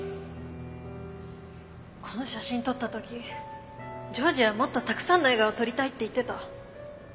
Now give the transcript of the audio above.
この写真撮った時譲士はもっとたくさんの笑顔を撮りたいって言ってた。